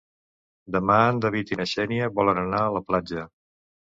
Demà en David i na Xènia volen anar a la platja.